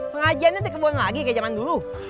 pengajiannya dikepun lagi kayak zaman dulu